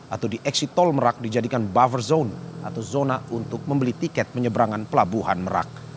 atau di eksitol merak dijadikan buffer zone atau zona untuk membeli tiket penyeberangan pelabuhan merak